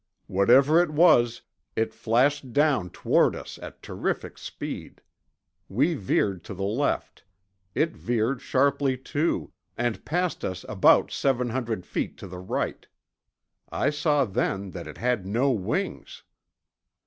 Whatever it was, it flashed down toward us at terrific speed. We veered to the left. It veered sharply, too, and passed us about seven hundred feet to the right. I saw then that it had no wings."